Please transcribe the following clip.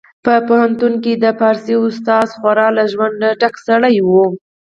په کالج کي د فارسي استاد او خورا له ژونده ډک سړی و